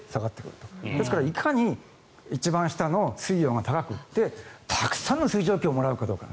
いかに一番下の水温が高くて、たくさんの水蒸気をもらうかどうか。